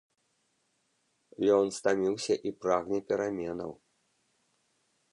Ён стаміўся і прагне пераменаў.